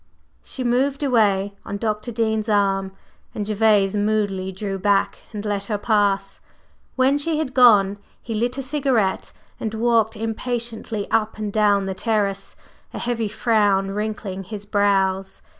She moved away on Dr. Dean's arm, and Gervase moodily drew back and let her pass. When she had gone, he lit a cigarette and walked impatiently up and down the terrace, a heavy frown wrinkling his brows.